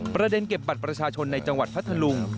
ประเด็นเก็บบัตรประชาชนในจังหวัดพัทธลุง